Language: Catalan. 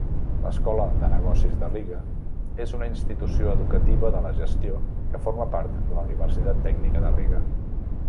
L'Escola de Negocis de Riga és una institució educativa de gestió que forma part de la Universitat Tècnica de Riga.